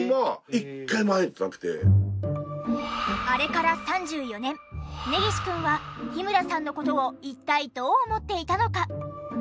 あれから３４年根岸くんは日村さんの事を一体どう思っていたのか？